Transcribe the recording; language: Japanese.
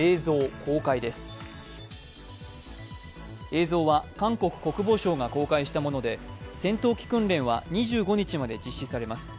映像は韓国国防省が公開したもので、戦闘機訓練は２５日まで実施されます。